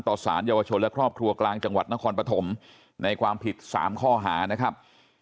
สารเยาวชนและครอบครัวกลางจังหวัดนครปฐมในความผิด๓ข้อหานะครับ